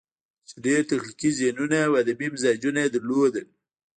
چې ډېر تخليقي ذهنونه او ادبي مزاجونه ئې لرل